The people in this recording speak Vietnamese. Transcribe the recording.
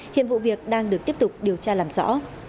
hiện vụ việc đang được tiếp tục điều tra làm rõ